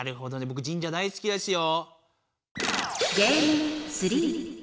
ぼく神社大すきですよ。